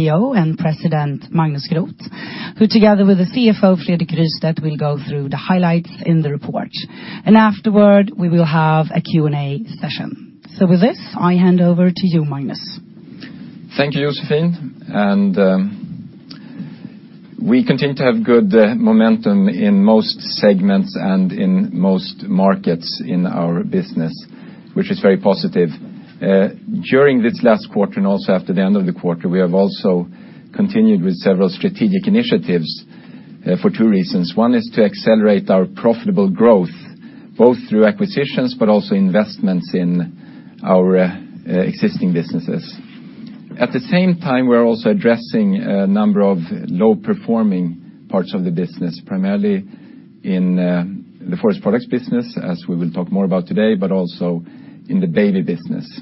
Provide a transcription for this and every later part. CEO and President Magnus Groth, who together with the CFO Fredrik Rystedt, will go through the highlights in the report. Afterward, we will have a Q&A session. With this, I hand over to you, Magnus. Thank you, Josephine. We continue to have good momentum in most segments and in most markets in our business, which is very positive. During this last quarter and also after the end of the quarter, we have also continued with several strategic initiatives for two reasons. One is to accelerate our profitable growth, both through acquisitions but also investments in our existing businesses. At the same time, we're also addressing a number of low-performing parts of the business, primarily in the forest products business, as we will talk more about today, but also in the baby business.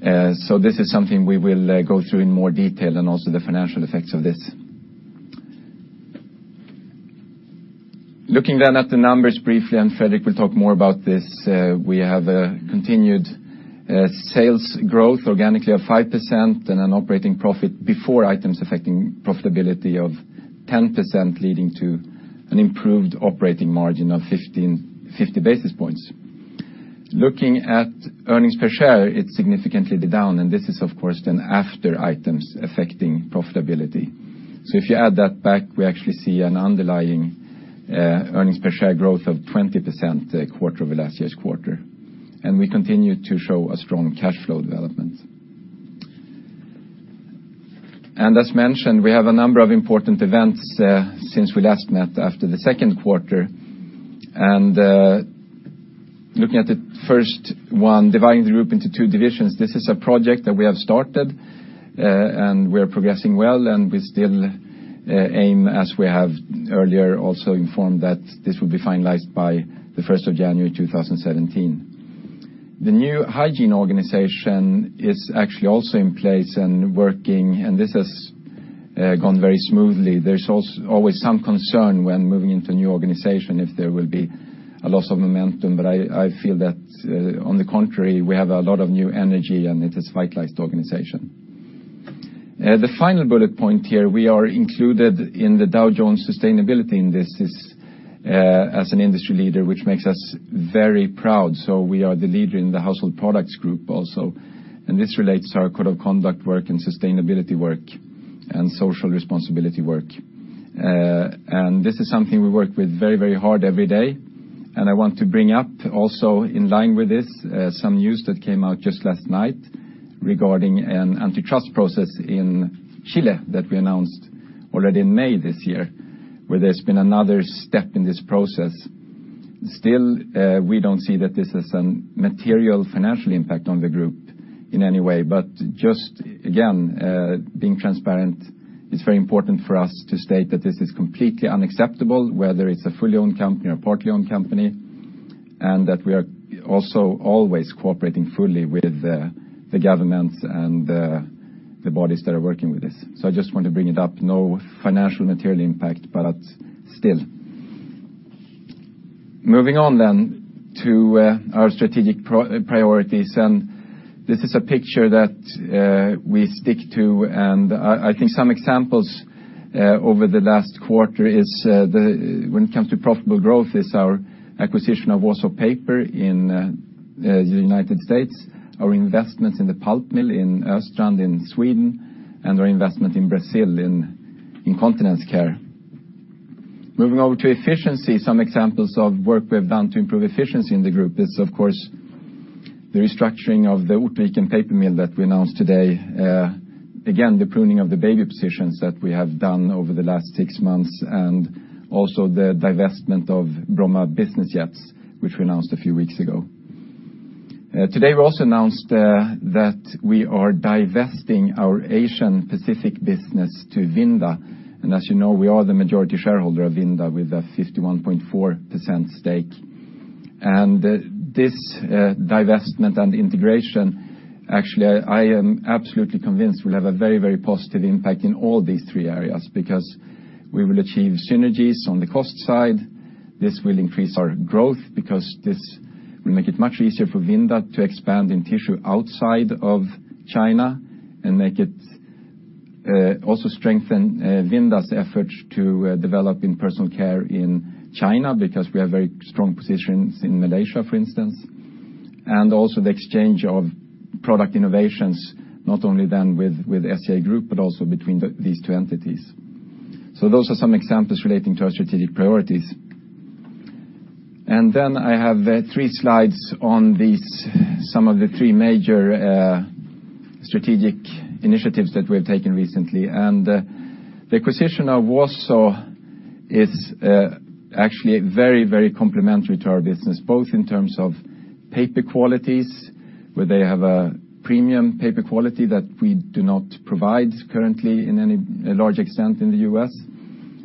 This is something we will go through in more detail and also the financial effects of this. Looking then at the numbers briefly, Fredrik will talk more about this, we have a continued sales growth organically of 5% and an operating profit before items affecting profitability of 10%, leading to an improved operating margin of 50 basis points. Looking at earnings per share, it's significantly down, this is of course then after items affecting profitability. If you add that back, we actually see an underlying earnings per share growth of 20% quarter over last year's quarter, we continue to show a strong cash flow development. As mentioned, we have a number of important events since we last met after the second quarter. Looking at the first one, dividing the group into two divisions, this is a project that we have started, we are progressing well, we still aim, as we have earlier also informed, that this will be finalized by the 1st of January 2017. The new hygiene organization is actually also in place and working, this has gone very smoothly. There's always some concern when moving into a new organization if there will be a loss of momentum, I feel that, on the contrary, we have a lot of new energy and it has vitalized the organization. The final bullet point here, we are included in the Dow Jones Sustainability Index as an industry leader, which makes us very proud. We are the leader in the household products group also, this relates to our code of conduct work and sustainability work and social responsibility work. This is something we work with very hard every day. I want to bring up also, in line with this, some news that came out just last night regarding an antitrust process in Chile that we announced already in May this year, where there's been another step in this process. Still, we don't see that this has a material financial impact on the group in any way. Just, again, being transparent, it's very important for us to state that this is completely unacceptable, whether it's a fully owned company or partly owned company, and that we are also always cooperating fully with the governments and the bodies that are working with this. I just want to bring it up. No financial material impact, but still. Moving on then to our strategic priorities, this is a picture that we stick to, I think some examples over the last quarter is when it comes to profitable growth is our acquisition of Wausau Paper in the U.S., our investments in the pulp mill in Östrand in Sweden, and our investment in Brazil in incontinence care. Moving over to efficiency, some examples of work we've done to improve efficiency in the group is, of course, the restructuring of the Ortviken paper mill that we announced today. Again, the pruning of the baby positions that we have done over the last six months, also the divestment of Bromma Business Jet, which we announced a few weeks ago. Today, we also announced that we are divesting our Asian Pacific business to Vinda. As you know, we are the majority shareholder of Vinda with a 51.4% stake. This divestment and integration, actually, I am absolutely convinced will have a very positive impact in all these three areas because we will achieve synergies on the cost side. This will increase our growth because this will make it much easier for Vinda to expand in tissue outside of China and make it also strengthen Vinda's efforts to develop in personal care in China because we have very strong positions in Malaysia, for instance, and also the exchange of product innovations, not only then with SCA, but also between these two entities. Those are some examples relating to our strategic priorities. Then I have three slides on some of the three major strategic initiatives that we've taken recently. The acquisition of Wausau is actually very complementary to our business, both in terms of paper qualities, where they have a premium paper quality that we do not provide currently in any large extent in the U.S.,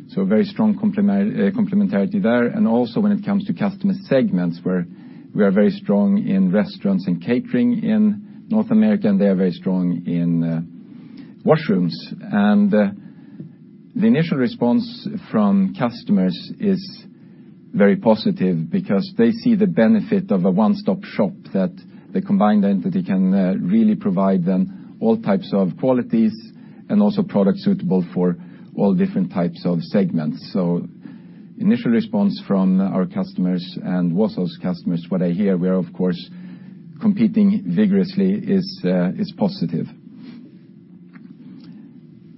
so very strong complementarity there. Also when it comes to customer segments where we are very strong in restaurants and catering in North America, and they are very strong in washrooms. The initial response from customers is very positive because they see the benefit of a one-stop shop that the combined entity can really provide them all types of qualities and also products suitable for all different types of segments. Initial response from our customers and Wausau's customers, what I hear we are, of course, competing vigorously is positive.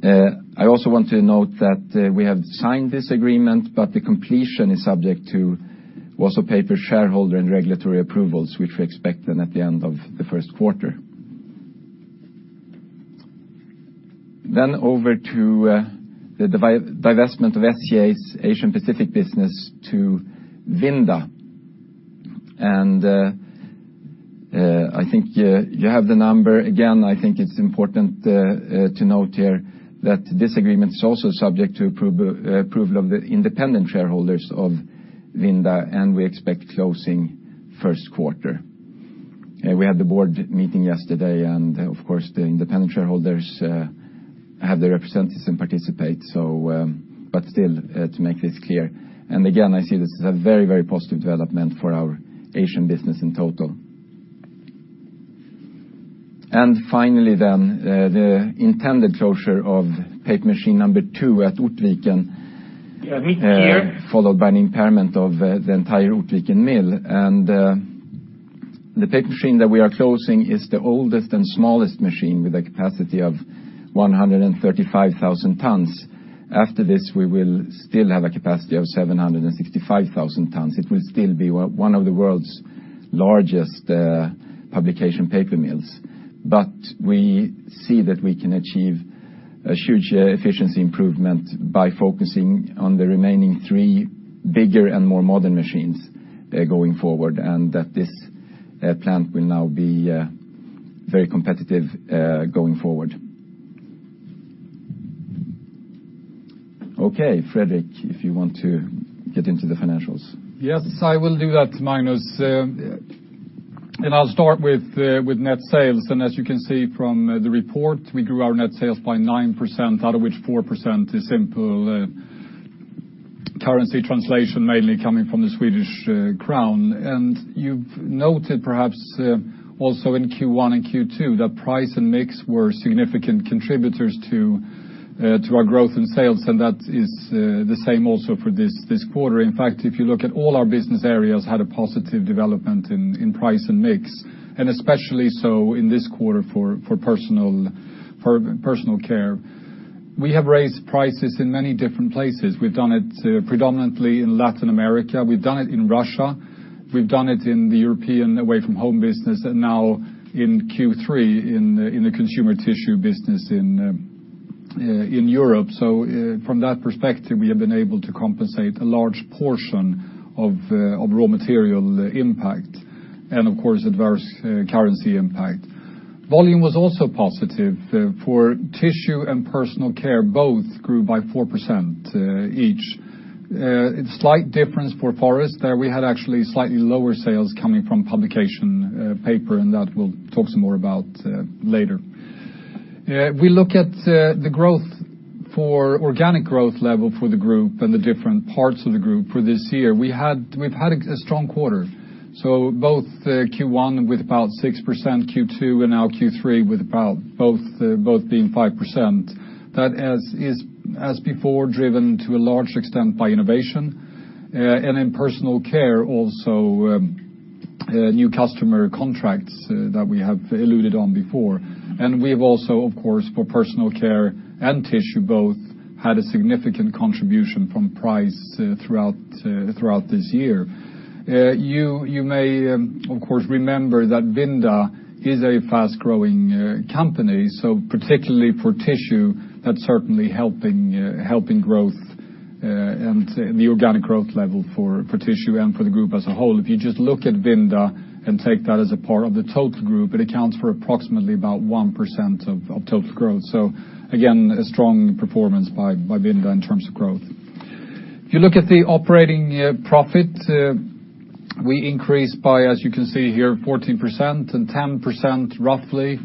I also want to note that we have signed this agreement, but the completion is subject to Wausau Paper shareholder and regulatory approvals, which we expect at the end of the first quarter. Over to the divestment of SCA's Asian Pacific business to Vinda. I think you have the number. Again, I think it's important to note here that this agreement is also subject to approval of the independent shareholders of Vinda, and we expect closing first quarter. We had the board meeting yesterday, and of course, the independent shareholders have their representatives and participate. Still to make this clear, again, I see this as a very positive development for our Asian business in total. Finally, the intended closure of paper machine number two at Ortviken, followed by an impairment of the entire Ortviken mill. The paper machine that we are closing is the oldest and smallest machine with a capacity of 135,000 tons. After this, we will still have a capacity of 765,000 tons. It will still be one of the world's largest publication paper mills. We see that we can achieve a huge efficiency improvement by focusing on the remaining three bigger and more modern machines going forward, and that this plant will now be very competitive going forward. Okay, Fredrik, if you want to get into the financials. Yes, I will do that, Magnus. I'll start with net sales. As you can see from the report, we grew our net sales by 9%, out of which 4% is simple currency translation, mainly coming from the Swedish krona. You've noted perhaps also in Q1 and Q2, that price and mix were significant contributors to our growth in sales, and that is the same also for this quarter. In fact, if you look at all our business areas had a positive development in price and mix, and especially so in this quarter for Personal Care. We have raised prices in many different places. We've done it predominantly in Latin America. We've done it in Russia. We've done it in the European Away-from-Home business and now in Q3 in the Consumer Tissue business in Europe. From that perspective, we have been able to compensate a large portion of raw material impact and of course, adverse currency impact. Volume was also positive for Tissue and Personal Care, both grew by 4% each. A slight difference for forest, there we had actually slightly lower sales coming from publication paper, and that we'll talk some more about later. We look at the growth for organic growth level for the group and the different parts of the group for this year. We've had a strong quarter. Both Q1 with about 6%, Q2 and now Q3 with about both being 5%. That as before, driven to a large extent by innovation and in Personal Care, also new customer contracts that we have alluded on before. We have also, of course, for Personal Care and Tissue, both had a significant contribution from price throughout this year. You may, of course, remember that Vinda is a fast-growing company. Particularly for tissue, that's certainly helping growth and the organic growth level for tissue and for the group as a whole. If you just look at Vinda and take that as a part of the total group, it accounts for approximately about 1% of total growth. Again, a strong performance by Vinda in terms of growth. If you look at the operating profit, we increased by, as you can see here, 14% and 10% roughly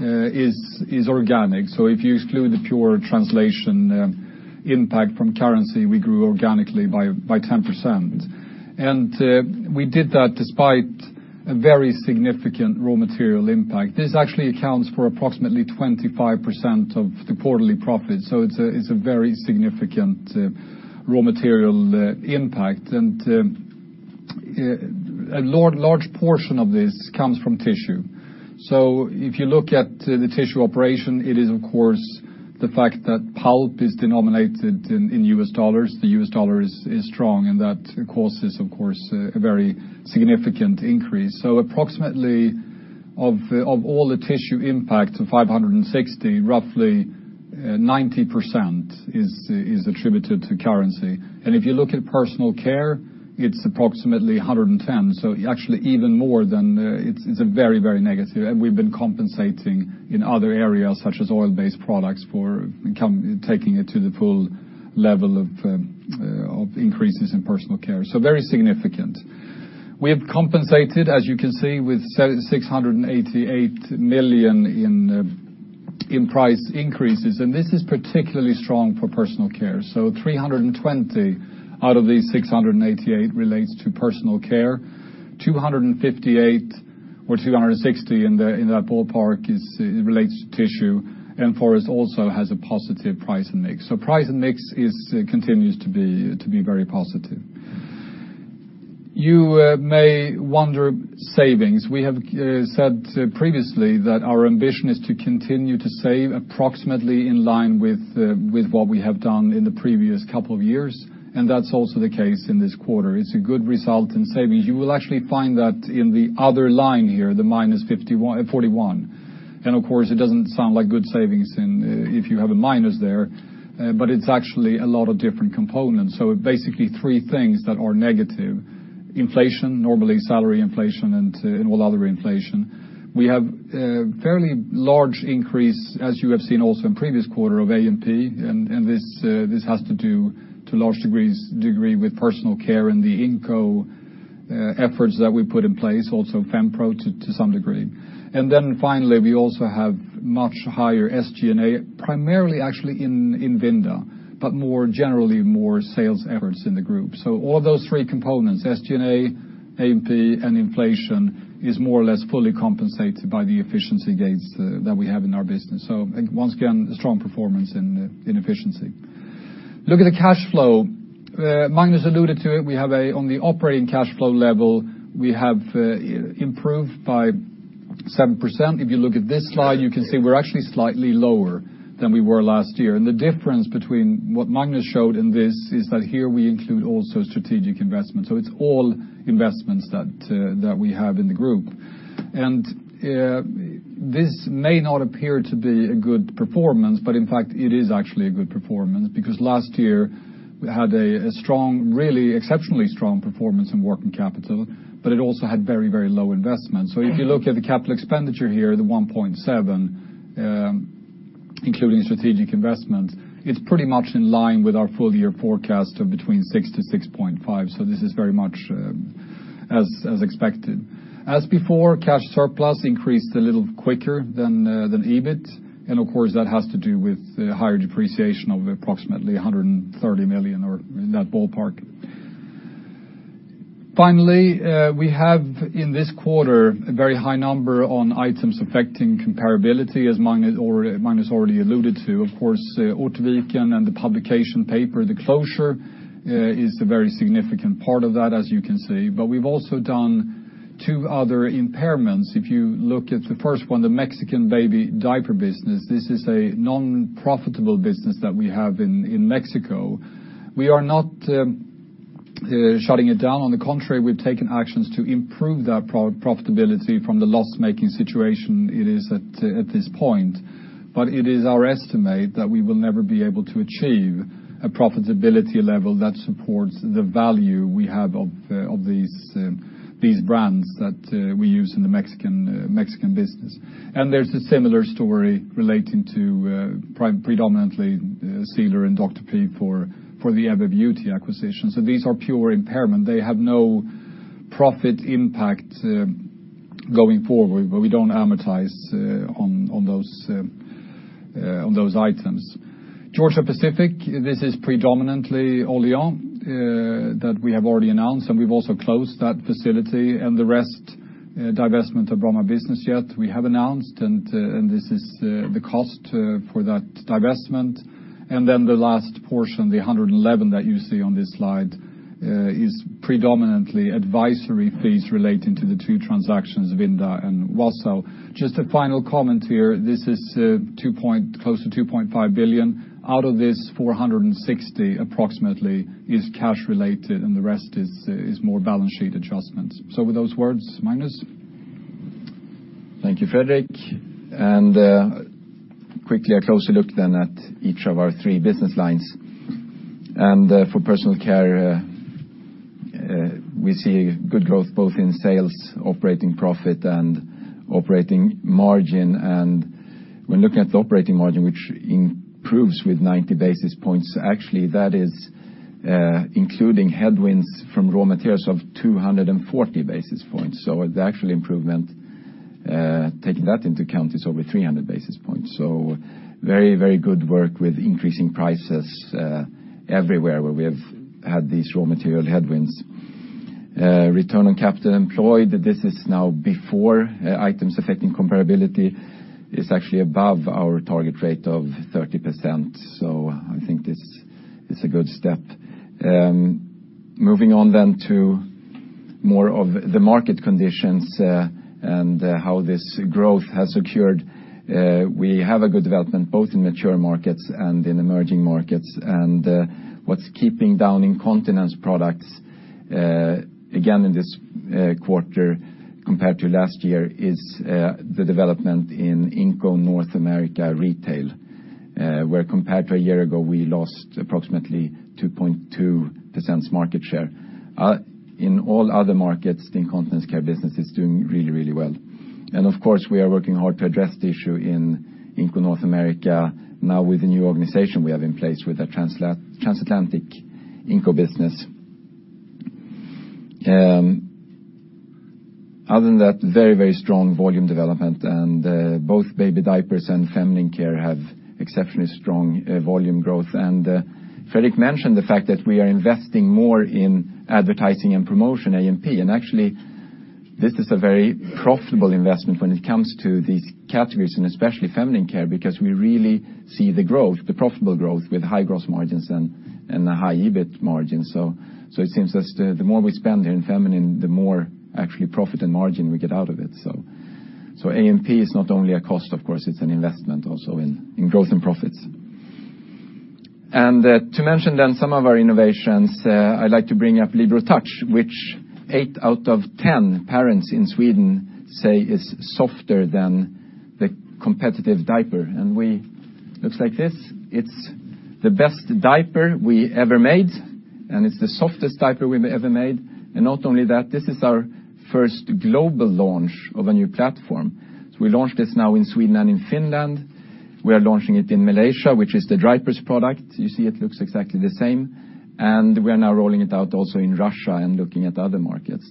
is organic. If you exclude the pure translation impact from currency, we grew organically by 10%. We did that despite a very significant raw material impact. This actually accounts for approximately 25% of the quarterly profit, so it's a very significant raw material impact. A large portion of this comes from tissue. If you look at the Tissue operation, it is of course, the fact that pulp is denominated in U.S. dollars. The U.S. dollar is strong, That causes, of course, a very significant increase. Approximately of all the Tissue impact of 560, roughly 90% is attributed to currency. If you look at Personal Care, it's approximately 110. Actually even more than, it's a very negative, and we've been compensating in other areas such as oil-based products for taking it to the full level of increases in Personal Care. Very significant. We have compensated, as you can see, with 688 million in price increases, and this is particularly strong for Personal Care. 320 out of these 688 relates to Personal Care, 258 or 260 in that ballpark relates to Tissue, and Forest also has a positive price mix. Price mix continues to be very positive. You may wonder, savings. We have said previously that our ambition is to continue to save approximately in line with what we have done in the previous couple of years, and that's also the case in this quarter. It's a good result in savings. You will actually find that in the other line here, the -41. Of course, it doesn't sound like good savings if you have a minus there, but it's actually a lot of different components. Basically, three things that are negative: inflation, normally salary inflation and all other inflation. We have a fairly large increase, as you have seen also in previous quarter, of A&P, and this has to do, to large degree, with Personal Care and the inco efforts that we put in place, also FemPro to some degree. Finally, we also have much higher SG&A, primarily actually in Vinda, but more generally more sales efforts in the group. All those three components, SG&A&P and inflation, is more or less fully compensated by the efficiency gains that we have in our business. Once again, a strong performance in efficiency. Look at the cash flow. Magnus alluded to it. On the operating cash flow level, we have improved by 7%. If you look at this slide, you can see we're actually slightly lower than we were last year. The difference between what Magnus showed and this is that here we include also strategic investment. It's all investments that we have in the group. This may not appear to be a good performance, in fact it is actually a good performance because last year we had a really exceptionally strong performance in working capital, but it also had very low investment. If you look at the capital expenditure here, the 1.7 billion, including strategic investment, it is pretty much in line with our full-year forecast of between 6 billion-6.5 billion. This is very much as expected. As before, cash surplus increased a little quicker than EBIT. Of course, that has to do with the higher depreciation of approximately 130 million or in that ballpark. Finally, we have in this quarter a very high number on items affecting comparability, as Magnus already alluded to. Of course, Ortviken and the publication paper, the closure is a very significant part of that, as you can see. We've also done two other impairments. If you look at the first one, the Mexican baby diaper business, this is a non-profitable business that we have in Mexico. We are not shutting it down. On the contrary, we've taken actions to improve that profitability from the loss-making situation it is at this point. It is our estimate that we will never be able to achieve a profitability level that supports the value we have of these brands that we use in the Mexican business. There's a similar story relating to predominantly Cedel and Dr. P for the ABBA Beauty acquisition. These are pure impairment. They have no profit impact going forward, but we don't amortize on those items. Georgia-Pacific, this is predominantly Orion that we have already announced. We've also closed that facility and the rest divestment of Bromma Business Jet we have announced. This is the cost for that divestment. The last portion, the 111 million that you see on this slide, is predominantly advisory fees relating to the two transactions, Vinda and Wausau. Just a final comment here. This is close to 2.5 billion. Out of this, 460 million approximately is cash related and the rest is more balance sheet adjustments. With those words, Magnus? Thank you, Fredrik. Quickly, a closer look then at each of our three business lines. For Personal Care, we see good growth both in sales, operating profit, and operating margin. When looking at the operating margin, which improves with 90 basis points, actually that is including headwinds from raw materials of 240 basis points. The actual improvement, taking that into account, is over 300 basis points. Very good work with increasing prices everywhere where we have had these raw material headwinds. Return on capital employed, this is now before items affecting comparability, is actually above our target rate of 30%. I think this is a good step. Moving on then to more of the market conditions and how this growth has occurred. We have a good development both in mature markets and in emerging markets. What is keeping down incontinence products, again in this quarter compared to last year, is the development in Inco North America retail, where compared to a year ago, we lost approximately 2.2% market share. In all other markets, the incontinence care business is doing really well. Of course, we are working hard to address the issue in Inco North America now with the new organization we have in place with the transatlantic Inco business. Other than that, very strong volume development. Both baby diapers and feminine care have exceptionally strong volume growth. Fredrik mentioned the fact that we are investing more in advertising and promotion, A&P. Actually, this is a very profitable investment when it comes to these categories, and especially feminine care, because we really see the profitable growth with high gross margins and high EBIT margins. It seems as though the more we spend here in feminine, the more actually profit and margin we get out of it. A&P is not only a cost, of course, it is an investment also in growth and profits. To mention then some of our innovations, I would like to bring up Libero Touch, which 8 out of 10 parents in Sweden say is softer than the competitive diaper. Looks like this. It is the best diaper we ever made, and it is the softest diaper we have ever made. Not only that, this is our first global launch of a new platform. We launched this now in Sweden and in Finland. We are launching it in Malaysia, which is the Drypers product. You see it looks exactly the same. We are now rolling it out also in Russia and looking at other markets.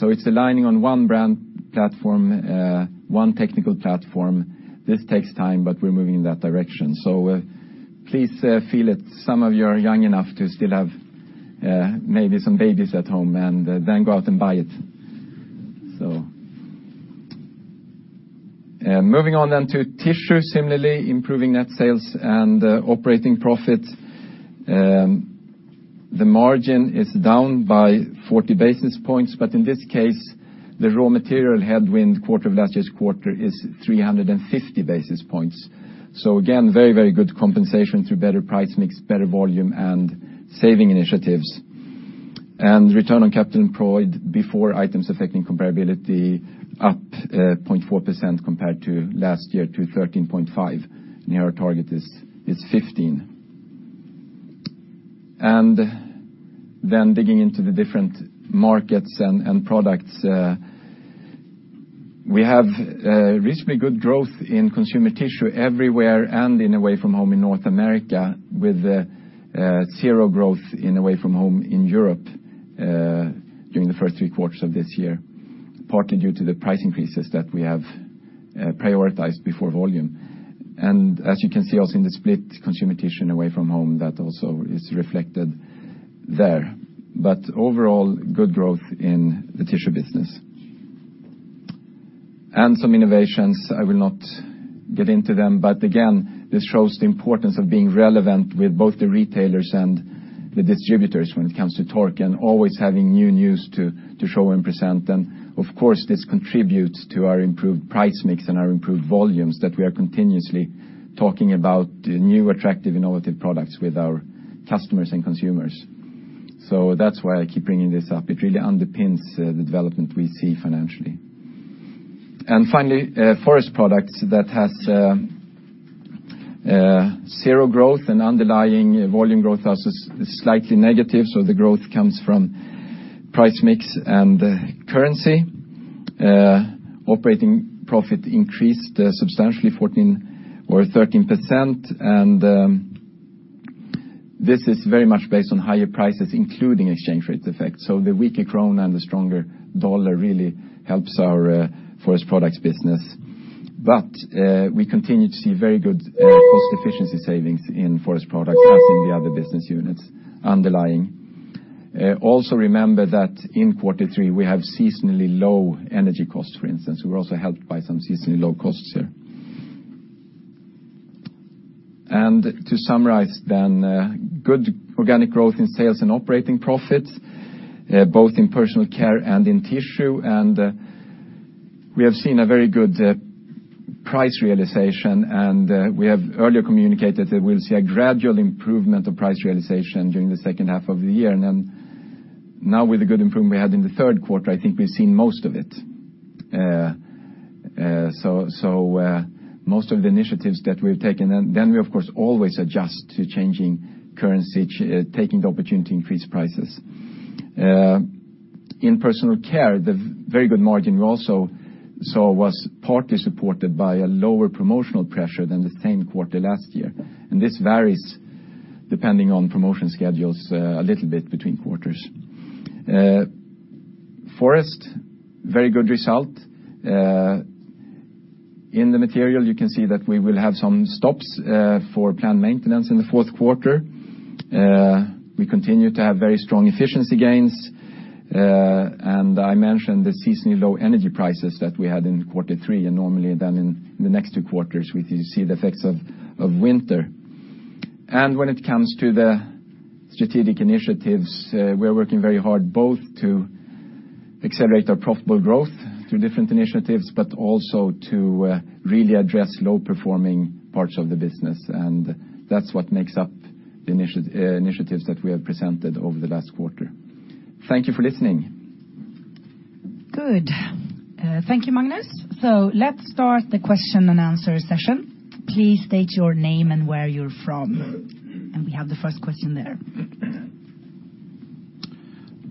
It is aligning on one brand platform, one technical platform. This takes time, but we are moving in that direction. Please feel it. Some of you are young enough to still have maybe some babies at home, and then go out and buy it. Moving on then to Tissue, similarly improving net sales and operating profit. The margin is down by 40 basis points, but in this case, the raw material headwind quarter versus last quarter is 350 basis points. Again, very good compensation through better price mix, better volume, and saving initiatives. Return on capital employed before items affecting comparability up 0.4% compared to last year to 13.5%, and our target is 15%. Then digging into the different markets and products, we have reasonably good growth in Consumer Tissue everywhere and in Away-from-Home in North America with zero growth in Away-from-Home in Europe during the first three quarters of this year, partly due to the price increases that we have prioritized before volume. As you can see also in the split, Consumer Tissue and Away-from-Home, that also is reflected there. Overall, good growth in the Tissue business. Some innovations, I will not get into them. Again, this shows the importance of being relevant with both the retailers and the distributors when it comes to talk and always having new news to show and present. Of course, this contributes to our improved price mix and our improved volumes that we are continuously talking about new, attractive, innovative products with our customers and consumers. That's why I keep bringing this up. It really underpins the development we see financially. Finally, Forest Products that has zero growth and underlying volume growth are slightly negative. The growth comes from price mix and currency. Operating profit increased substantially 13%. This is very much based on higher prices, including exchange rate effect. The weaker krona and the stronger dollar really helps our Forest Products business. We continue to see very good cost efficiency savings in Forest Products as in the other business units underlying. Also remember that in Q3, we have seasonally low energy costs, for instance. We are also helped by some seasonally low costs here. To summarize then, good organic growth in sales and Operating profits, both in Personal Care and in Tissue. We have seen a very good price realization, and we have earlier communicated that we will see a gradual improvement of price realization during the second half of the year. Now with the good improvement we had in the third quarter, I think we have seen most of it. Most of the initiatives that we have taken, then we, of course, always adjust to changing currency, taking the opportunity to increase prices. In Personal Care, the very good margin we also saw was partly supported by a lower promotional pressure than the same quarter last year. This varies depending on promotion schedules a little bit between quarters. Forest, very good result. In the material, you can see that we will have some stops for planned maintenance in the fourth quarter. We continue to have very strong efficiency gains. I mentioned the seasonally low energy prices that we had in Q3, normally then in the next two quarters, we see the effects of winter. When it comes to the strategic initiatives, we are working very hard both to accelerate our profitable growth through different initiatives, also to really address low-performing parts of the business. That's what makes up the initiatives that we have presented over the last quarter. Thank you for listening. Good. Thank you, Magnus. Let's start the question and answer session. Please state your name and where you are from. We have the first question there.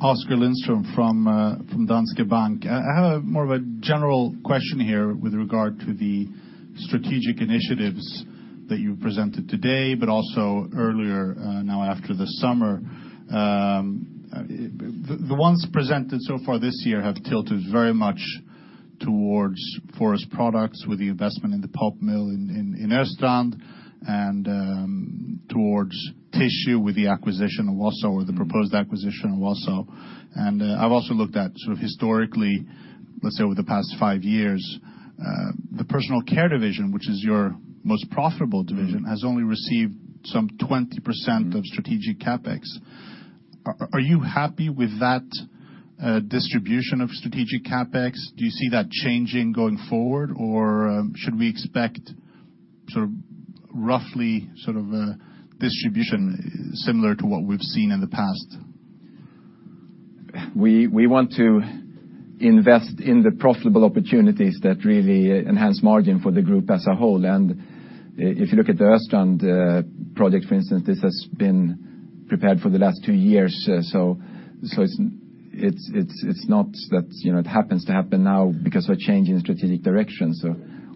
Oskar Lindström from Danske Bank. I have more of a general question here with regard to the strategic initiatives That you presented today, but also earlier now after the summer. The ones presented so far this year have tilted very much towards forest products, with the investment in the pulp mill in Östrand and towards tissue with the proposed acquisition of Wausau. I've also looked at historically, let's say over the past five years, the Personal Care division, which is your most profitable division, has only received some 20% of strategic CapEx. Are you happy with that distribution of strategic CapEx? Do you see that changing going forward, or should we expect roughly a distribution similar to what we've seen in the past? We want to invest in the profitable opportunities that really enhance margin for the group as a whole. If you look at the Östrand project, for instance, this has been prepared for the last two years. It happens to happen now because of a change in strategic direction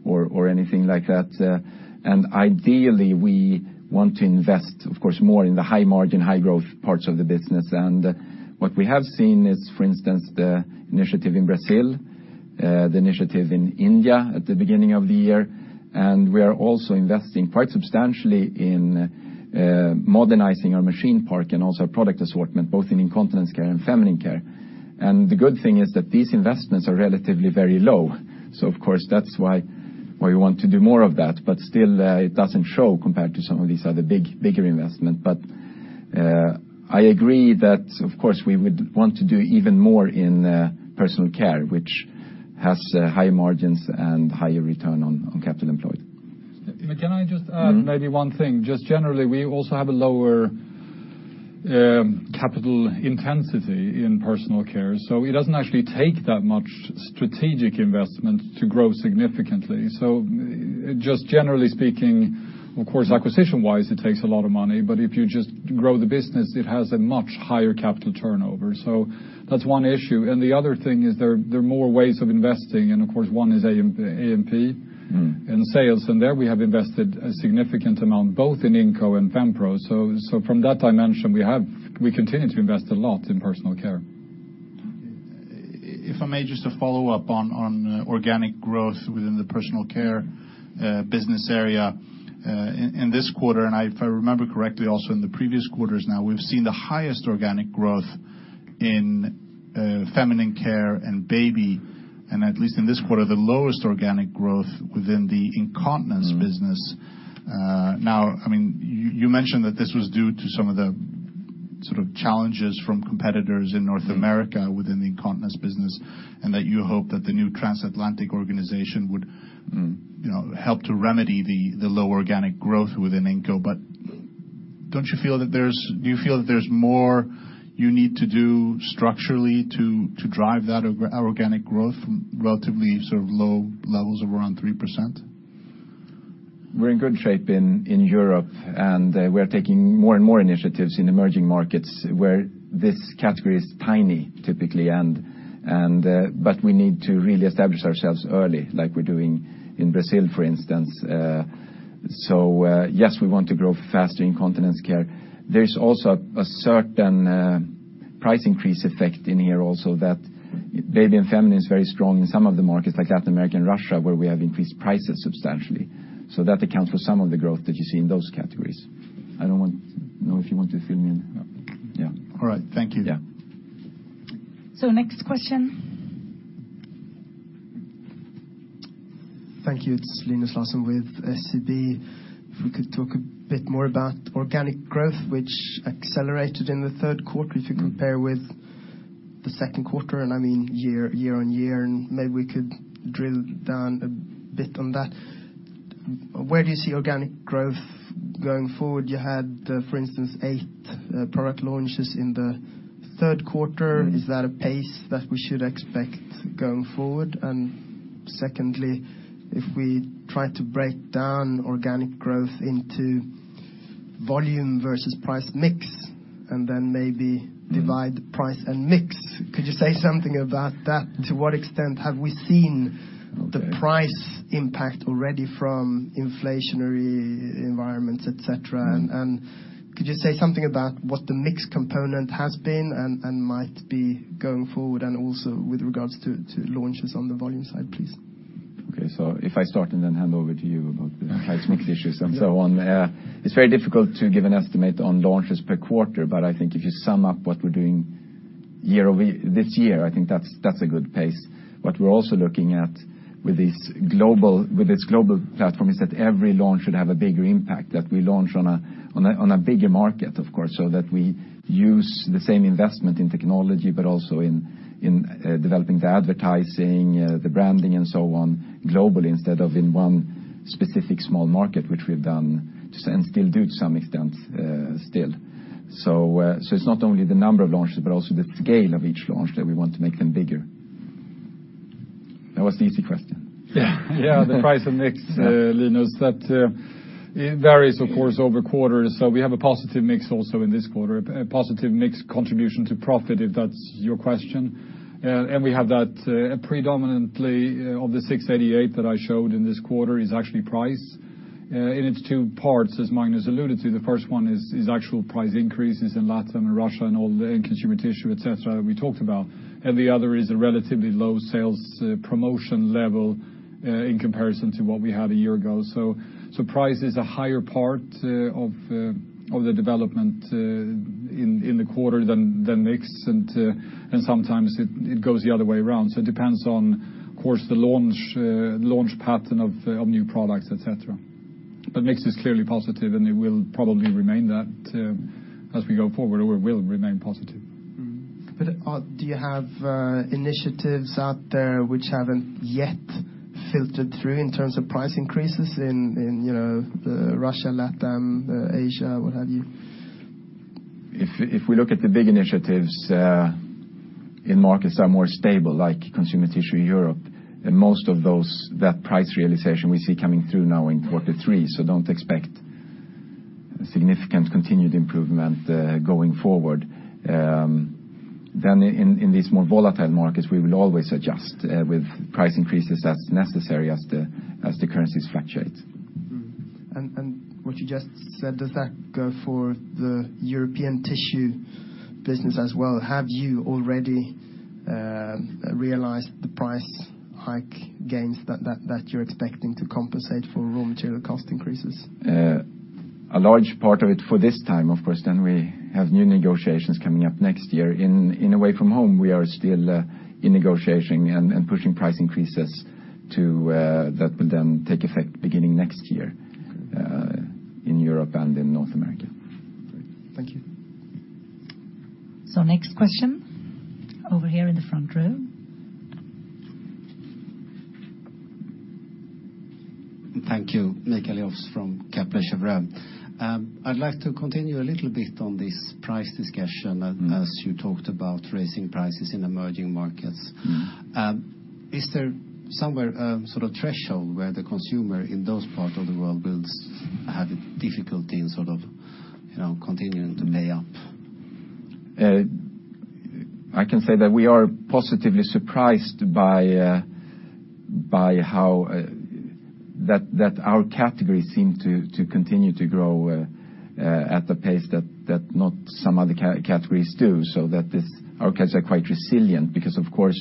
or anything like that. Ideally, we want to invest, of course, more in the high margin, high growth parts of the business. What we have seen is, for instance, the initiative in Brazil, the initiative in India at the beginning of the year, and we are also investing quite substantially in modernizing our machine park and also our product assortment, both in incontinence care and feminine care. The good thing is that these investments are relatively very low. Of course, that's why we want to do more of that. Still, it doesn't show compared to some of these other bigger investment. I agree that, of course, we would want to do even more in Personal Care, which has high margins and higher return on capital employed. Can I just add maybe one thing? Generally, we also have a lower capital intensity in personal care, so it doesn't actually take that much strategic investment to grow significantly. Generally speaking, of course, acquisition-wise it takes a lot of money, but if you just grow the business, it has a much higher capital turnover. That's one issue. The other thing is there are more ways of investing, and of course one is A&P in sales. There we have invested a significant amount both in Inco and FemPro. From that dimension, we continue to invest a lot in personal care. If I may, just to follow up on organic growth within the personal care business area. In this quarter, and if I remember correctly, also in the previous quarters now, we've seen the highest organic growth in feminine care and baby, and at least in this quarter, the lowest organic growth within the incontinence business. You mentioned that this was due to some of the challenges from competitors in North America within the incontinence business, and that you hope that the new transatlantic organization would help to remedy the low organic growth within Inco. Do you feel that there's more you need to do structurally to drive that organic growth from relatively low levels of around 3%? We're in good shape in Europe, and we are taking more and more initiatives in emerging markets where this category is tiny typically, but we need to really establish ourselves early, like we're doing in Brazil, for instance. Yes, we want to grow faster incontinence care. There's also a certain price increase effect in here also that baby and feminine is very strong in some of the markets like Latin America and Russia, where we have increased prices substantially. That accounts for some of the growth that you see in those categories. I don't know if you want to fill in. No. Yeah. All right. Thank you. Yeah. Next question. Thank you. It's Linus Larsson with SEB. If we could talk a bit more about organic growth, which accelerated in the third quarter if you compare with the second quarter, I mean year-over-year, maybe we could drill down a bit on that. Where do you see organic growth going forward? You had, for instance, eight product launches in the third quarter. Is that a pace that we should expect going forward? Secondly, if we try to break down organic growth into volume versus price mix, then maybe divide price and mix, could you say something about that? To what extent have we seen the price impact already from inflationary environments, et cetera? Could you say something about what the mix component has been and might be going forward, also with regards to launches on the volume side, please? If I start then hand over to you about the price mix issues and so on. It's very difficult to give an estimate on launches per quarter, I think if you sum up what we're doing this year, I think that's a good pace. What we're also looking at with this global platform is that every launch should have a bigger impact that we launch on a bigger market, of course, that we use the same investment in technology, but also in developing the advertising, the branding, and so on globally instead of in one specific small market, which we've done and still do to some extent still. It's not only the number of launches, but also the scale of each launch that we want to make them bigger. That was an easy question. Yeah. Yeah, the price of mix, Linus, that varies, of course, over quarters. We have a positive mix also in this quarter, a positive mix contribution to profit, if that's your question. We have that predominantly of the 688 that I showed in this quarter is actually price, it's two parts, as Magnus alluded to. The first one is actual price increases in LatAm and Russia and all the Consumer Tissue, et cetera, that we talked about. The other is a relatively low sales promotion level in comparison to what we had a year ago. Price is a higher part of the development in the quarter than mix, sometimes it goes the other way around. It depends on the launch pattern of new products, et cetera. Mix is clearly positive, it will probably remain that as we go forward, or will remain positive. Do you have initiatives out there which haven't yet filtered through in terms of price increases in the Russia, LatAm, Asia, what have you? If we look at the big initiatives in markets that are more stable, like Consumer Tissue in Europe, most of that price realization we see coming through now in quarter three, so don't expect significant continued improvement going forward. In these more volatile markets, we will always adjust with price increases as necessary as the currencies fluctuate. What you just said, does that go for the European tissue business as well? Have you already realized the price hike gains that you're expecting to compensate for raw material cost increases? A large part of it for this time. Of course, we have new negotiations coming up next year. In Away-from-Home, we are still in negotiation and pushing price increases that will then take effect beginning next year. Okay in Europe and in North America. Great. Thank you. Next question, over here in the front row. Thank you. Mikael Jofs from Kepler Cheuvreux. I'd like to continue a little bit on this price discussion as you talked about raising prices in emerging markets. Is there somewhere a sort of threshold where the consumer in those parts of the world will have a difficulty in continuing to pay up? I can say that we are positively surprised by how that our category seem to continue to grow at a pace that not some other categories do, so that our categories are quite resilient because, of course,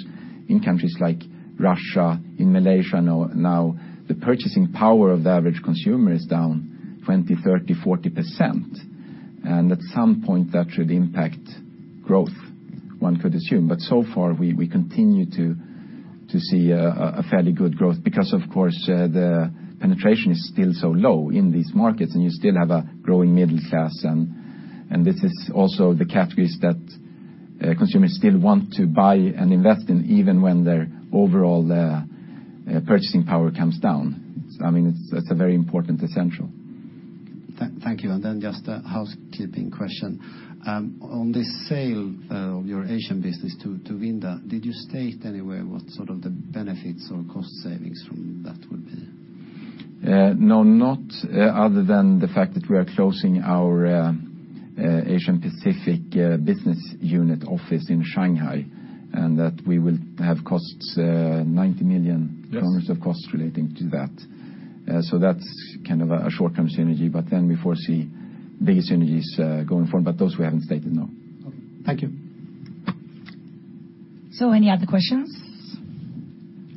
in countries like Russia, in Malaysia now, the purchasing power of the average consumer is down 20%, 30%, 40%. At some point that should impact growth, one could assume. So far, we continue to see a fairly good growth because, of course, the penetration is still so low in these markets, and you still have a growing middle class. This is also the categories that consumers still want to buy and invest in, even when their overall purchasing power comes down. I mean, that's a very important essential. Thank you. Just a housekeeping question. On the sale of your Asian business to Vinda, did you state anywhere what sort of the benefits or cost savings from that would be? No, not other than the fact that we are closing our Asian Pacific business unit office in Shanghai, that we will have costs, 90 million. Yes of costs relating to that. That's kind of a short-term synergy, we foresee big synergies going forward. Those we haven't stated, no. Okay. Thank you. Any other questions?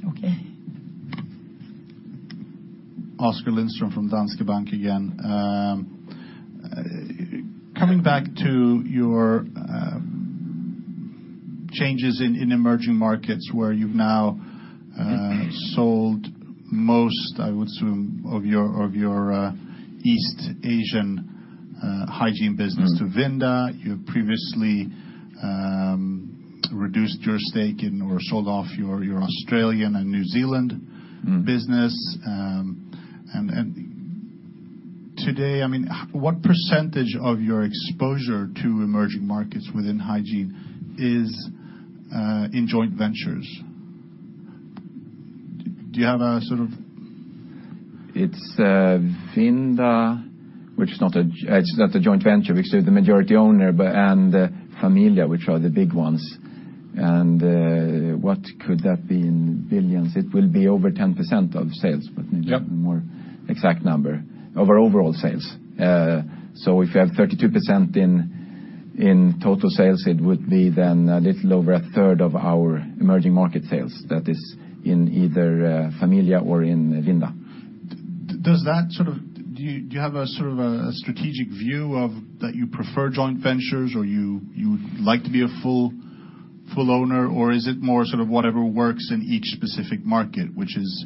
Okay. Oskar Lindström from Danske Bank again. Coming back to your changes in emerging markets where you've now sold most, I would assume, of your East Asian hygiene business to Vinda. You previously reduced your stake in or sold off your Australian and New Zealand business. Today, what % of your exposure to emerging markets within hygiene is in joint ventures? Do you have a sort of It's Vinda, which is not a joint venture, we're still the majority owner, and Familia, which are the big ones. What could that be in billions? It will be over 10% of sales- Yep would be the more exact number, of our overall sales. If you have 32% in total sales, it would be then a little over a third of our emerging market sales that is in either Familia or in Vinda. Do you have a strategic view of that you prefer joint ventures, or you like to be a full owner, or is it more sort of whatever works in each specific market, which is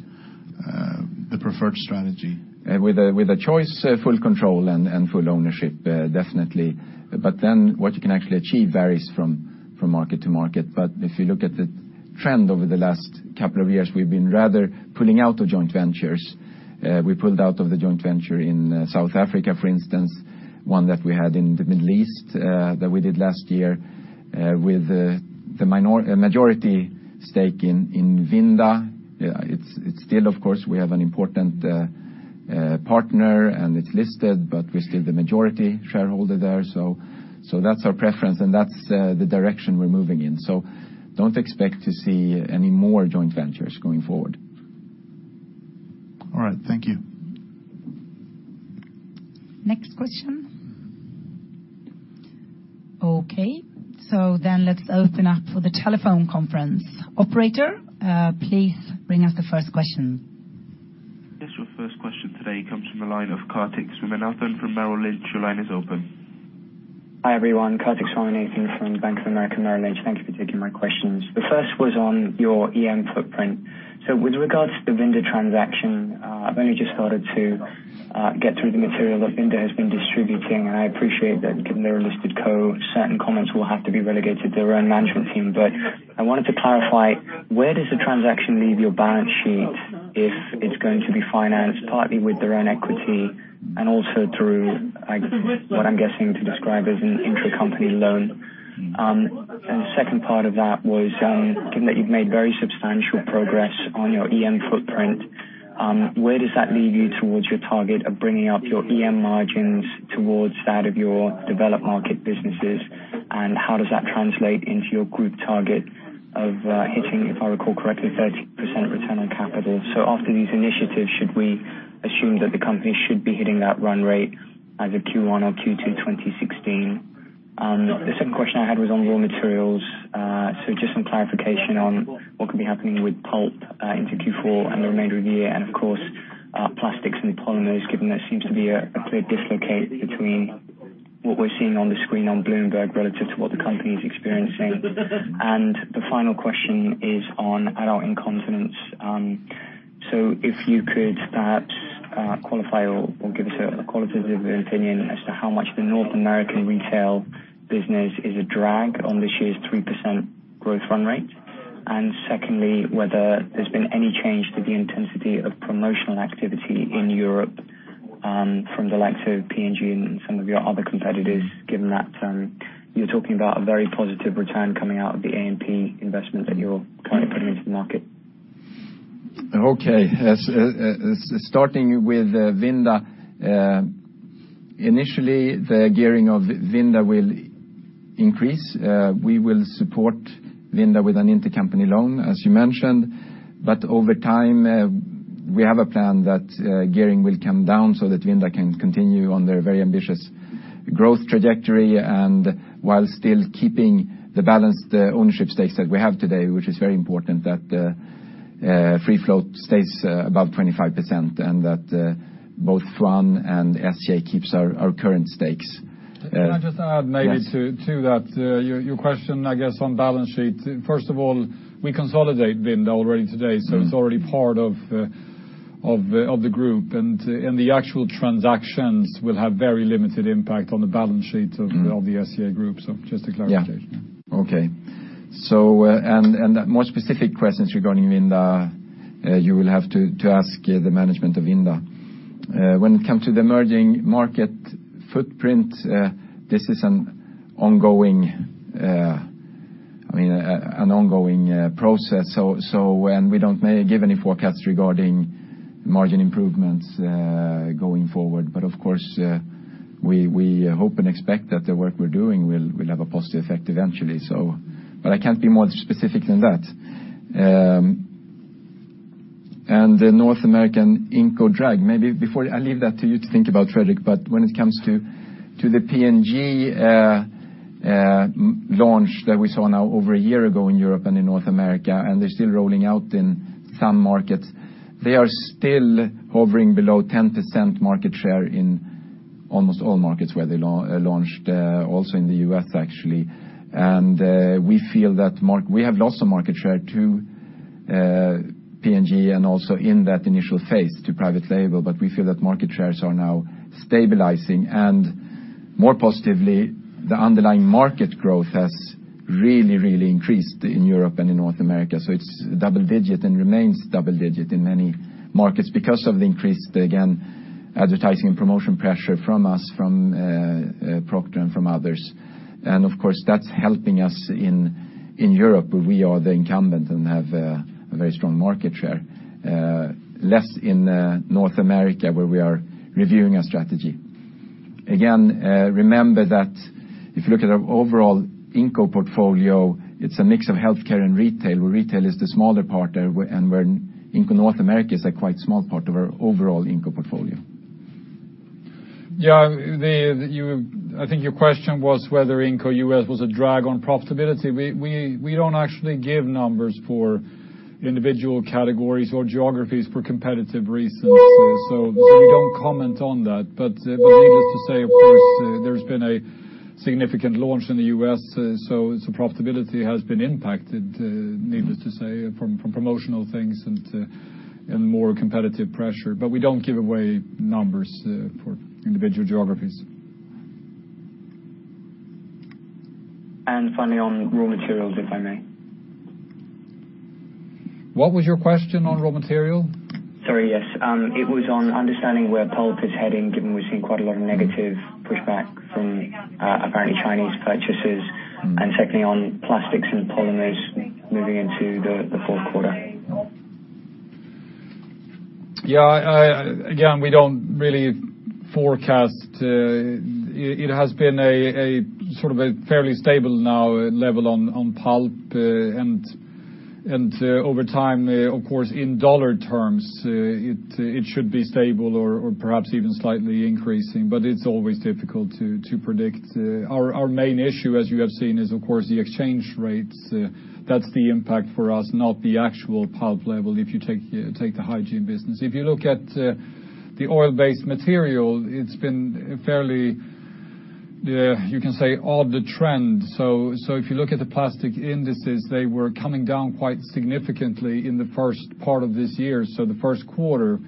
the preferred strategy? With a choice, full control and full ownership, definitely. What you can actually achieve varies from market to market. If you look at the trend over the last couple of years, we've been rather pulling out of joint ventures. We pulled out of the joint venture in South Africa, for instance, one that we had in the Middle East that we did last year with the majority stake in Vinda. It's still, of course, we have an important Partner, and it's listed, but we're still the majority shareholder there. That's our preference, and that's the direction we're moving in. Don't expect to see any more joint ventures going forward. All right. Thank you. Next question. Okay. Let's open up for the telephone conference. Operator, please bring us the first question. Yes, your first question today comes from the line of Kartik Swaminathan from Merrill Lynch. Your line is open. Hi, everyone. Kartik Swaminathan from Bank of America Merrill Lynch. Thank you for taking my questions. The first was on your EM footprint. With regards to the Vinda transaction, I've only just started to get through the material that Vinda has been distributing, and I appreciate that given they're a listed co, certain comments will have to be relegated to their own management team. I wanted to clarify, where does the transaction leave your balance sheet if it's going to be financed partly with their own equity and also through, what I'm guessing to describe as an intracompany loan? The second part of that was, given that you've made very substantial progress on your EM footprint, where does that leave you towards your target of bringing up your EM margins towards that of your developed market businesses? How does that translate into your group target of hitting, if I recall correctly, 30% return on capital? After these initiatives, should we assume that the company should be hitting that run rate either Q1 or Q2 2016? The second question I had was on raw materials. Just some clarification on what could be happening with pulp into Q4 and the remainder of the year, and of course, plastics and polymers, given there seems to be a clear dislocate between what we're seeing on the screen on Bloomberg relative to what the company's experiencing. The final question is on adult incontinence. If you could perhaps qualify or give us a qualitative opinion as to how much the North American retail business is a drag on this year's 3% growth run rate. Secondly, whether there's been any change to the intensity of promotional activity in Europe from the likes of P&G and some of your other competitors, given that you're talking about a very positive return coming out of the A&P investment that you're currently putting into the market. Okay. Starting with Vinda, initially, the gearing of Vinda will increase. We will support Vinda with an intracompany loan, as you mentioned. Over time, we have a plan that gearing will come down so that Vinda can continue on their very ambitious growth trajectory, and while still keeping the balanced ownership stakes that we have today, which is very important that free float stays above 25% and that both FAM and SCA keeps our current stakes. Can I just add maybe to that? Yes. Your question, I guess, on balance sheet. First of all, we consolidate Vinda already today, so it's already part of the group, and the actual transactions will have very limited impact on the balance sheet of the SCA group. Just a clarification. Yeah. Okay. More specific questions regarding Vinda, you will have to ask the management of Vinda. When it comes to the emerging market footprint, this is an ongoing process, and we don't give any forecasts regarding margin improvements going forward. Of course, we hope and expect that the work we're doing will have a positive effect eventually, but I can't be more specific than that. The North American Inco drag. Maybe I leave that to you to think about, Fredrik, but when it comes to the P&G launch that we saw now over a year ago in Europe and in North America, and they're still rolling out in some markets. They are still hovering below 10% market share in almost all markets where they launched, also in the U.S., actually. We feel that we have lost some market share to P&G and also in that initial phase to private label, but we feel that market shares are now stabilizing, and more positively, the underlying market growth has really increased in Europe and in North America. It's double digit and remains double digit in many markets because of the increased, again, advertising and promotion pressure from us, from Procter, and from others. Of course, that's helping us in Europe, where we are the incumbent and have a very strong market share. Less in North America, where we are reviewing our strategy. Again, remember that if you look at our overall Inco portfolio, it's a mix of healthcare and retail, where retail is the smaller part, and where Inco North America is a quite small part of our overall Inco portfolio. Yeah. I think your question was whether inco U.S. was a drag on profitability. We don't actually give numbers for individual categories or geographies for competitive reasons, so we don't comment on that. Needless to say, of course, there's been a significant launch in the U.S., so profitability has been impacted, needless to say, from promotional things and more competitive pressure. We don't give away numbers for individual geographies. Finally on raw materials, if I may. What was your question on raw material? Sorry, yes. It was on understanding where pulp is heading, given we've seen quite a lot of negative pushback from apparently Chinese purchasers. Secondly, on plastics and polymers moving into the fourth quarter. Again, we don't really forecast. It has been a fairly stable level now on pulp, and over time, of course, in USD terms, it should be stable or perhaps even slightly increasing, but it's always difficult to predict. Our main issue, as you have seen, is, of course, the exchange rates. That's the impact for us, not the actual pulp level, if you take the hygiene business. If you look at the oil-based material, it's been fairly, you can say, odd, the trend. If you look at the plastic indices, they were coming down quite significantly in the first part of this year, so the first quarter,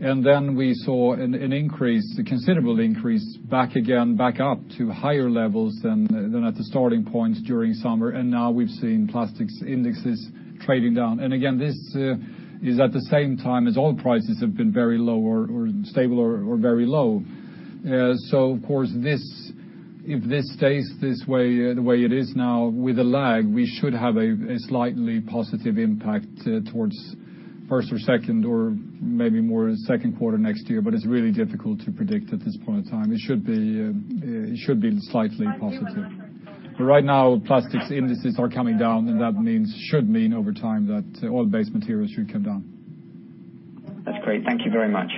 then we saw an increase, a considerable increase, back again, back up to higher levels than at the starting point during summer. Now we've seen plastics indices trading down. Again, this is at the same time as oil prices have been very low or stable or very low. Of course, if this stays the way it is now with a lag, we should have a slightly positive impact towards first or second or maybe more second quarter next year, but it's really difficult to predict at this point in time. It should be slightly positive. Right now, plastics indices are coming down, and that should mean over time that oil-based materials should come down. That's great. Thank you very much.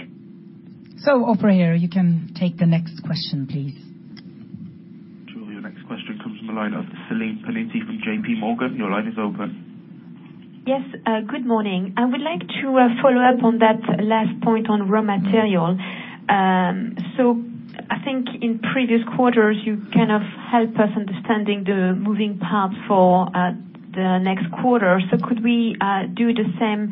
Operator, you can take the next question, please. Sure. Your next question comes from the line of Céline Pallini from J.P. Morgan. Your line is open. Yes, good morning. I would like to follow up on that last point on raw material. I think in previous quarters, you kind of helped us understanding the moving parts for the next quarter. Could we do the same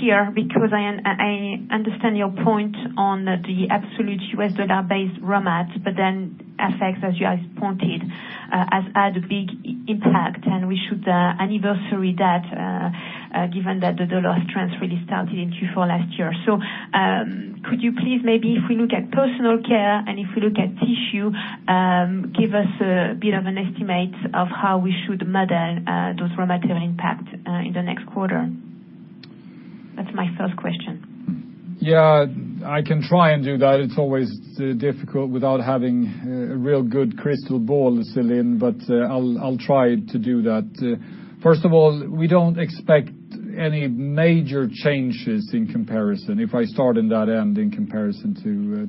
here? I understand your point on the absolute US dollar-based raw mats, then FX, as you pointed, has had a big impact, and we should anniversary that given that the dollar trends really started in Q4 last year. Could you please maybe, if we look at Personal Care and if we look at tissue, give us a bit of an estimate of how we should model those raw material impacts in the next quarter? That's my first question. I can try and do that. It's always difficult without having a real good crystal ball, Céline, but I'll try to do that. First of all, we don't expect any major changes in comparison, if I start in that end, in comparison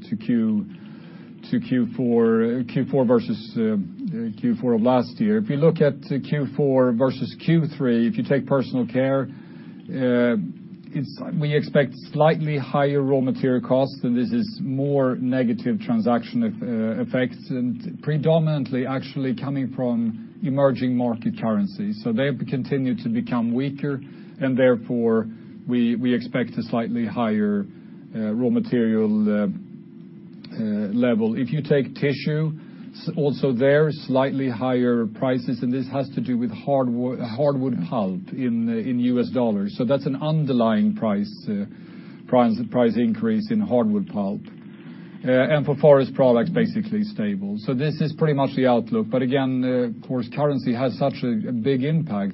to Q4 versus Q4 of last year. If you look at Q4 versus Q3, if you take Personal Care, we expect slightly higher raw material costs, and this is more negative transaction effects and predominantly actually coming from emerging market currencies. They continue to become weaker, and therefore, we expect a slightly higher raw material level. If you take tissue, also there, slightly higher prices, and this has to do with hardwood pulp in US dollars. That's an underlying price increase in hardwood pulp. For forest products, basically stable. This is pretty much the outlook. Again, of course, currency has such a big impact.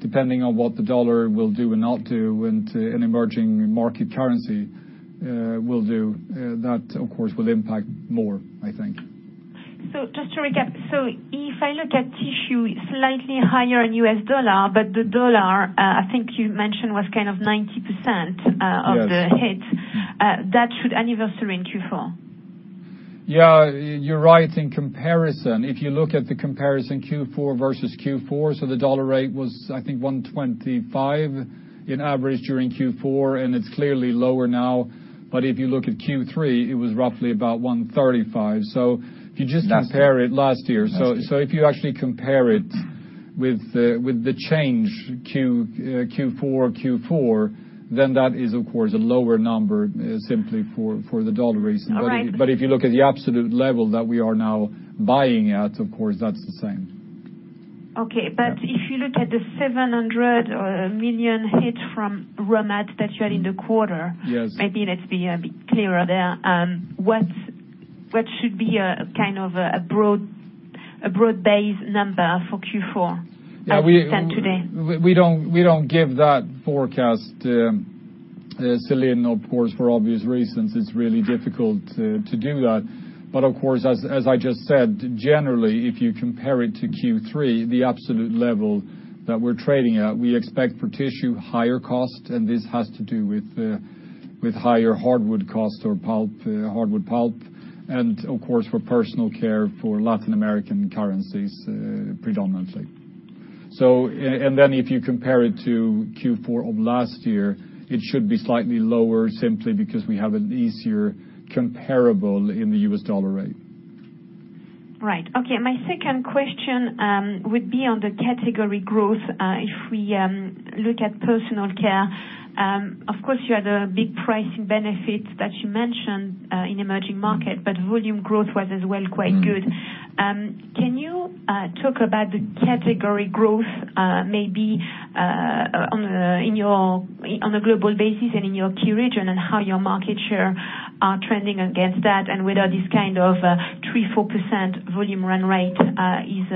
Depending on what the dollar will do and not do and emerging market currency will do, that of course will impact more, I think. Just to recap, if I look at tissue, it's slightly higher in U.S. dollar, but the U.S. dollar, I think you mentioned, was kind of 90% of the hit. Yes. That should anniversary in Q4. You're right in comparison. If you look at the comparison Q4 versus Q4, the U.S. dollar rate was I think 125 in average during Q4, and it's clearly lower now. If you look at Q3, it was roughly about 135. If you just compare it. Last year. Last year. If you actually compare it with the change Q4 or Q4, then that is, of course, a lower number simply for the dollar reason. All right. If you look at the absolute level that we are now buying at, of course, that's the same. Okay. If you look at the 700 or 1 million hit from raw mat that you had in the quarter- Yes Maybe let's be a bit clearer there. What should be a kind of a broad-based number for Q4 as we stand today? We don't give that forecast, Céline, of course, for obvious reasons. It's really difficult to do that. Of course, as I just said, generally, if you compare it to Q3, the absolute level that we're trading at, we expect for tissue higher cost. This has to do with higher hardwood costs or hardwood pulp. Of course for personal care for Latin American currencies predominantly. If you compare it to Q4 of last year, it should be slightly lower simply because we have an easier comparable in the U.S. dollar rate. My second question would be on the category growth. If we look at personal care, of course you had a big pricing benefit that you mentioned in emerging market, volume growth was as well quite good. Can you talk about the category growth maybe on a global basis and in your key region and how your market share are trending against that, and whether this kind of 3%-4% volume run rate is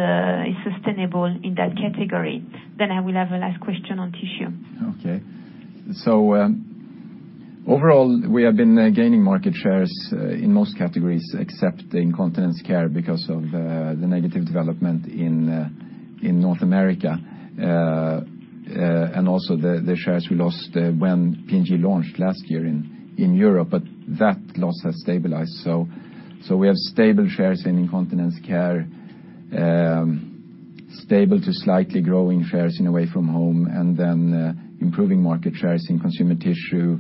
sustainable in that category. I will have a last question on tissue. Overall, we have been gaining market shares in most categories except the incontinence care because of the negative development in North America. Also the shares we lost when P&G launched last year in Europe. That loss has stabilized. We have stable shares in incontinence care, stable to slightly growing shares in Away-from-Home, improving market shares in Consumer Tissue,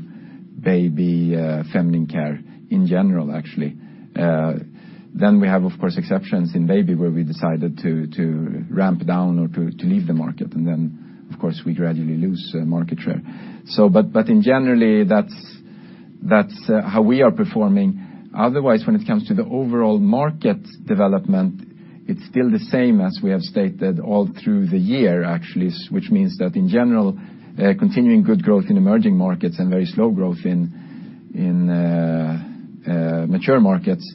baby, feminine care, in general, actually. We have, of course, exceptions in baby, where we decided to ramp down or to leave the market. Of course, we gradually lose market share. In general, that's how we are performing. Otherwise, when it comes to the overall market development, it is still the same as we have stated all through the year actually, which means that in general, continuing good growth in emerging markets and very slow growth in mature markets,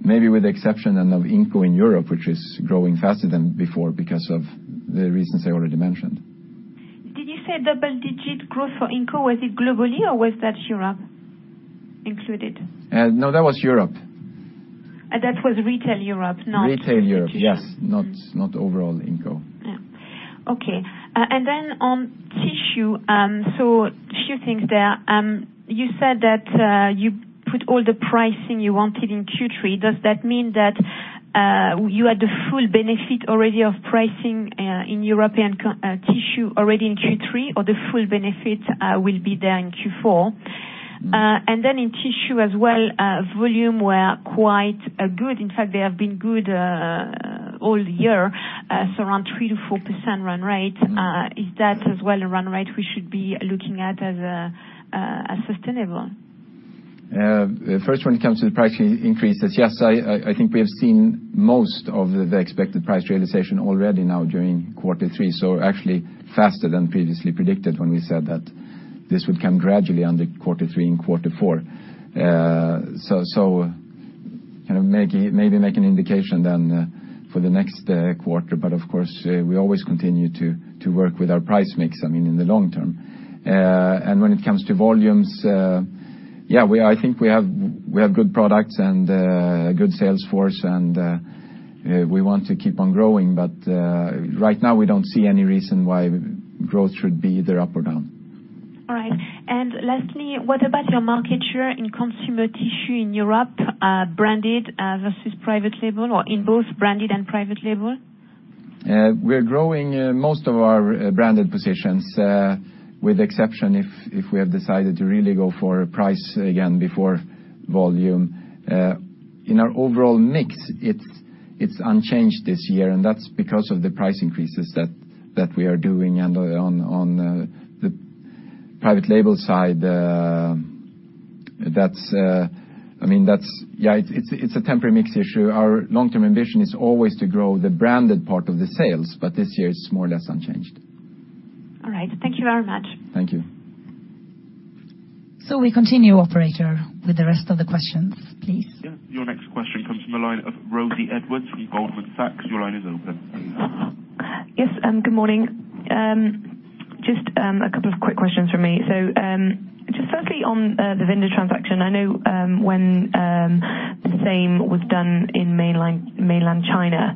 maybe with the exception of Inco in Europe, which is growing faster than before because of the reasons I already mentioned. Did you say double-digit growth for Inco? Was it globally, or was that Europe included? No, that was Europe. That was retail Europe. Retail Europe. Yes. Not overall Inco. Yeah. Okay. On tissue, so two things there. You said that you put all the pricing you wanted in Q3. Does that mean that you had the full benefit already of pricing in European tissue already in Q3, or the full benefit will be there in Q4? In tissue as well, volume were quite good. In fact, they have been good all year, so around 3%-4% run rate. Is that as well a run rate we should be looking at as sustainable? First, when it comes to the pricing increases, yes, I think we have seen most of the expected price realization already now during quarter three. Actually faster than previously predicted when we said that this would come gradually under quarter three and quarter four. Maybe make an indication then for the next quarter. Of course, we always continue to work with our price mix, I mean, in the long term. When it comes to volumes, yeah, I think we have good products and a good sales force, and we want to keep on growing. Right now we don't see any reason why growth should be either up or down. All right. Lastly, what about your market share in Consumer Tissue in Europe, branded versus private label, or in both branded and private label? We're growing most of our branded positions, with exception if we have decided to really go for price again before volume. In our overall mix, it's unchanged this year, and that's because of the price increases that we are doing. On the private label side, it's a temporary mix issue. Our long-term ambition is always to grow the branded part of the sales, this year it's more or less unchanged. All right. Thank you very much. Thank you. We continue, operator, with the rest of the questions, please. Your next question comes from the line of Rosie Edwards from Goldman Sachs. Your line is open. Yes, good morning. Just a couple of quick questions from me. Just firstly on the Vinda transaction. I know when the same was done in mainland China,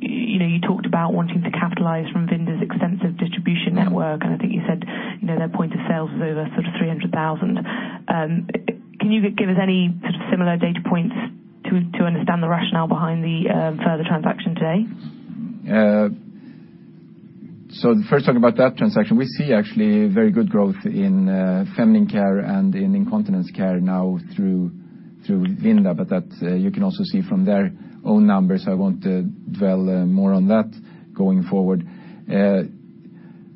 you talked about wanting to capitalize from Vinda's extensive distribution network, and I think you said their point of sales was over sort of 300,000. Can you give us any sort of similar data points to understand the rationale behind the further transaction today? First talking about that transaction, we see actually very good growth in feminine care and in incontinence care now through Vinda, but that you can also see from their own numbers. I won't dwell more on that going forward.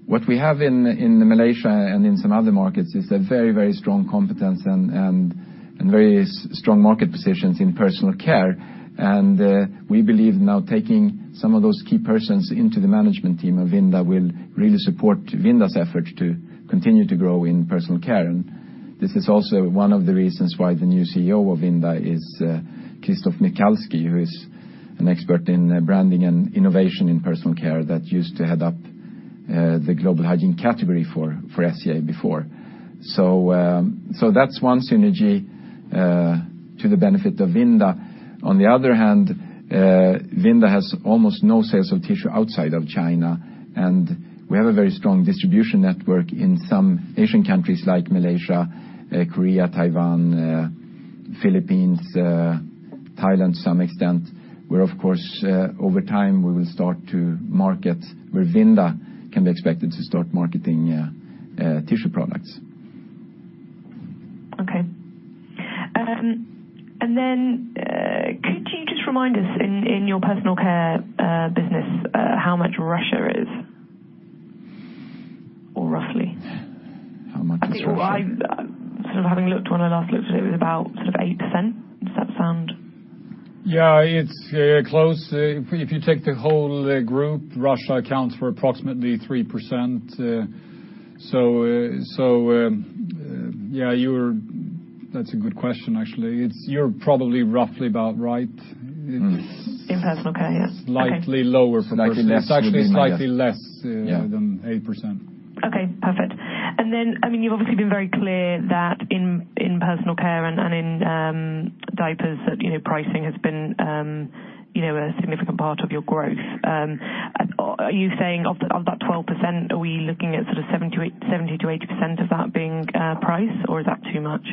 What we have in Malaysia and in some other markets is a very strong competence and very strong market positions in personal care. We believe now taking some of those key persons into the management team of Vinda will really support Vinda's effort to continue to grow in personal care. This is also one of the reasons why the new CEO of Vinda is Christoph Michalski, who is an expert in branding and innovation in personal care, that used to head up the global hygiene category for SCA before. That's one synergy to the benefit of Vinda. On the other hand, Vinda has almost no sales of tissue outside of China, and we have a very strong distribution network in some Asian countries like Malaysia, Korea, Taiwan, Philippines, Thailand to some extent, where of course over time we will start to market, where Vinda can be expected to start marketing tissue products. Okay. Then could you just remind us in your personal care business, how much Russia is? Or roughly. How much Russia is- Sort of having looked when I last looked, it was about sort of 8%. Does that sound- Yeah, it's close. If you take the whole group, Russia accounts for approximately 3%. That's a good question, actually. You're probably roughly about right. In personal care, yeah? Okay. Slightly lower for personally. Slightly less than, yes. It's actually slightly less than 8%. Okay, perfect. Then, you've obviously been very clear that in personal care and in diapers, that pricing has been a significant part of your growth. Are you saying of that 12%, are we looking at sort of 70%-80% of that being price, or is that too much?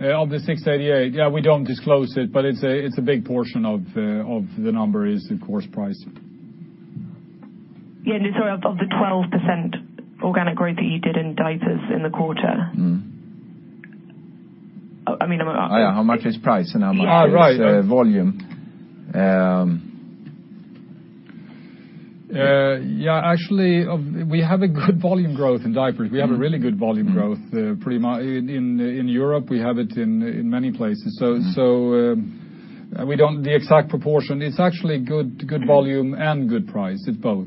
Of the 688? Yeah, we don't disclose it, but it's a big portion of the number is, of course, price. Yeah. No, sorry, of the 12% organic growth that you did in diapers in the quarter. How much is price and how much is volume? Right. Yeah, actually, we have a good volume growth in diapers. We have a really good volume growth, in Europe we have it in many places. The exact proportion, it's actually good volume and good price. It's both.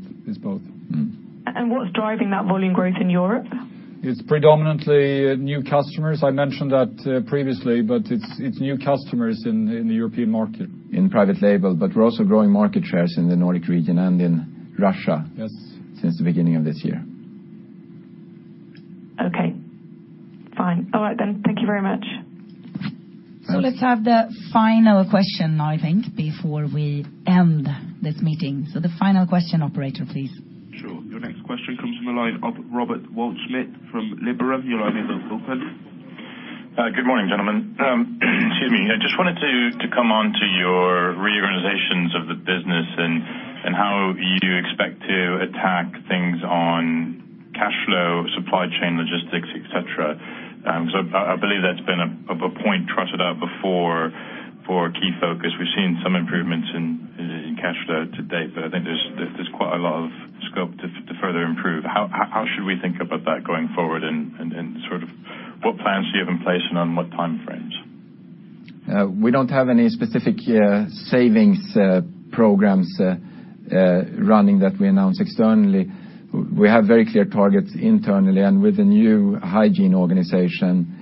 What's driving that volume growth in Europe? It's predominantly new customers. I mentioned that previously, but it's new customers in the European market. In private label, but we're also growing market shares in the Nordic region and in Russia. Yes Since the beginning of this year. Okay, fine. All right then. Thank you very much. Let's have the final question now, I think, before we end this meeting. The final question, operator, please. Sure. Your next question comes from the line of Robert Waldschmidt from Liberum. Your line is open. Good morning, gentlemen. Excuse me. I just wanted to come on to your reorganizations of the business and how you expect to attack things on cash flow, supply chain logistics, et cetera. I believe that's been a point trotted out before for a key focus. We've seen some improvements in cash flow to date, but I think there's quite a lot of scope to further improve. How should we think about that going forward, and what plans do you have in place and on what time frames? We don't have any specific savings programs running that we announce externally. We have very clear targets internally and with the new hygiene organization,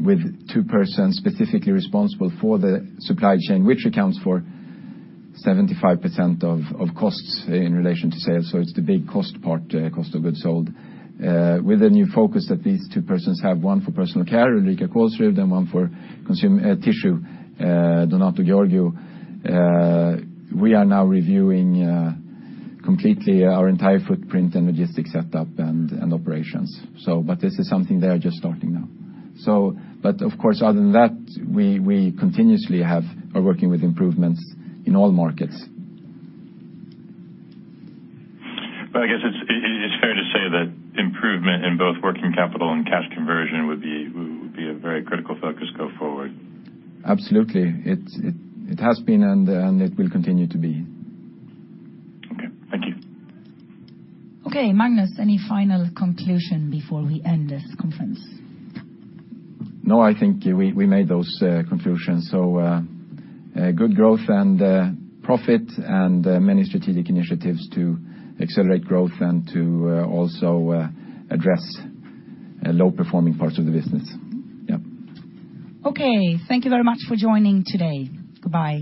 with two persons specifically responsible for the supply chain, which accounts for 75% of costs in relation to sales. It's the big cost part, cost of goods sold. With the new focus that these two persons have, one for personal care, Ulrika Kolsrud, and one for tissue, Donato Giorgio, we are now reviewing completely our entire footprint and logistics setup and operations. This is something they are just starting now. Of course, other than that, we continuously are working with improvements in all markets. I guess it's fair to say that improvement in both working capital and cash conversion would be a very critical focus go forward. Absolutely. It has been and it will continue to be. Okay. Thank you. Okay. Magnus, any final conclusion before we end this conference? No, I think we made those conclusions. Good growth and profit and many strategic initiatives to accelerate growth and to also address low-performing parts of the business. Yep. Okay. Thank you very much for joining today. Goodbye.